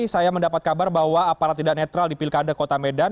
saya mendapat kabar bahwa aparat tidak netral di pilkada kota medan